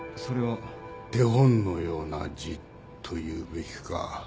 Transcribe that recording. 手本のような字というべきか。